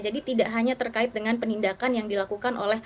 jadi tidak hanya terkait dengan penindakan yang dilakukan oleh ppk